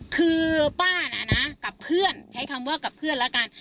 คือป้าน่ะนะกับเพื่อนใช้คำว่ากับเพื่อนแล้วกัน